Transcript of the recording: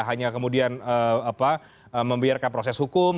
hanya kemudian membiarkan proses hukum